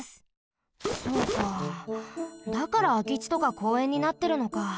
そうかだからあきちとかこうえんになってるのか。